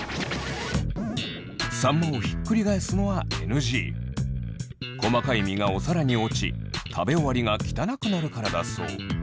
さんまを細かい身がお皿に落ち食べ終わりが汚くなるからだそう。